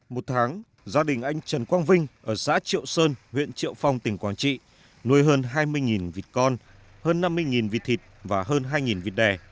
một tháng gia đình anh trần quang vinh ở xã triệu sơn huyện triệu phong tỉnh quảng trị nuôi hơn hai mươi vịt con hơn năm mươi vịt thịt và hơn hai vịt đè